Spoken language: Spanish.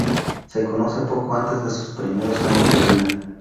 Se conoce poco antes de sus primeros años de vida.